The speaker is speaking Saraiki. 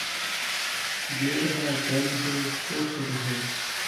جیڑھا دم ہے ، شُکر ہے